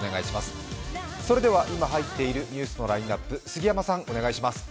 それでは今入っているニュースのラインナップ杉山さんお願いします。